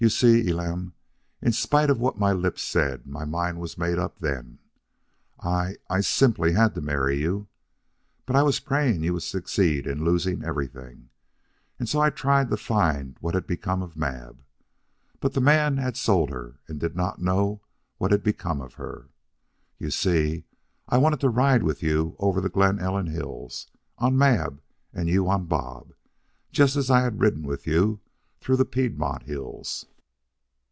"You see, Elam, in spite of what my lips said, my mind was made up then. I I simply had to marry you. But I was praying you would succeed in losing everything. And so I tried to find what had become of Mab. But the man had sold her and did not know what had become of her. You see, I wanted to ride with you over the Glen Ellen hills, on Mab and you on Bob, just as I had ridden with you through the Piedmont hills."